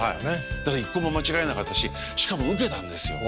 だから一個も間違えなかったししかもウケたんですよ。